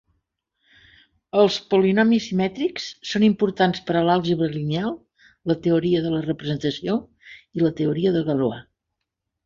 Els polinomis simètrics són importants per a l'àlgebra lineal, la teoria de la representació i la teoria de Galois.